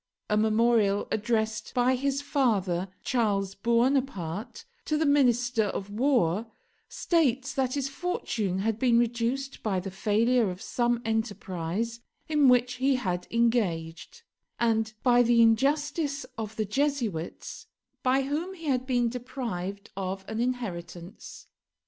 A memorial addressed by his father, Charles Buonaparte, to the Minister of War states that his fortune had been reduced by the failure of some enterprise in which he had engaged, and by the injustice of the Jesuits, by whom he had been deprived of an inheritance.